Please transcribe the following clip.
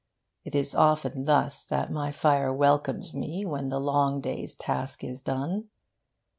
It is often thus that my fire welcomes me when the long day's task is done.